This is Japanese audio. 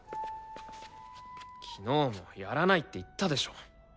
昨日もやらないって言ったでしょ。